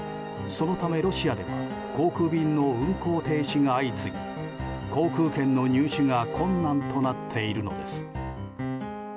そのためロシアでは航空便の運航停止が相次ぎ航空券の入手が困難となっているのです。